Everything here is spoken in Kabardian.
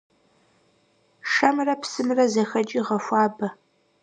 Шэмрэ псымрэ зэхэкӀи гъэхуабэ.